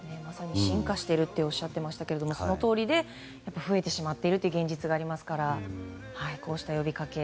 進化しているとおっしゃっていましたけどもそのとおりで増えてしまっている現実がありますからこうした呼びかけ